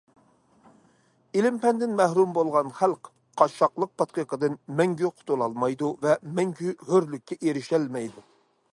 ئىلىم- پەندىن مەھرۇم بولغان خەلق قاششاقلىق پاتقىقىدىن مەڭگۈ قۇتۇلالمايدۇ ۋە مەڭگۈ ھۆرلۈككە ئېرىشەلمەيدۇ.